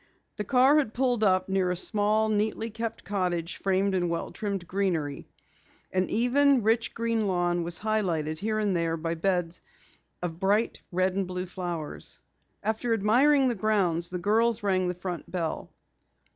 The car had pulled up near a small, neatly kept cottage framed in well trimmed greenery. An even, rich green lawn was highlighted here and there by beds of bright red and blue flowers. After admiring the grounds, the girls rang the front bell.